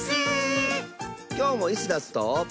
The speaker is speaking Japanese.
きょうもイスダスと。